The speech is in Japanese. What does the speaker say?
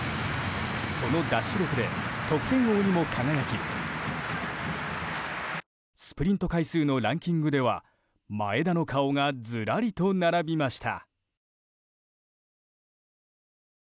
そのダッシュ力で得点王にも輝きスプリント回数のランキングでは前田の顔がずらりと並びました。